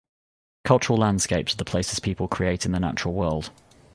Cultural landscapes are the places people create in the natural world.